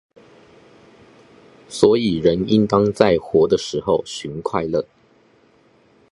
所以人應當在活的時候尋快樂